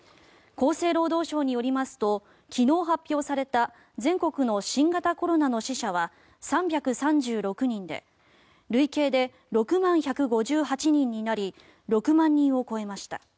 厚生労働省によりますと昨日発表された全国の新型コロナの死者は３３６人で累計で６万１５８人になり６万人を超えました。